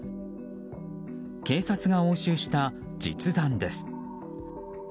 警察が押収した実弾です。